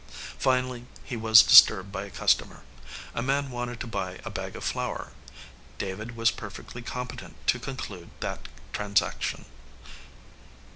Finally he was disturbed by a customer. A man wanted to buy a bag of flour. David was perfectly competent to conclude that transaction.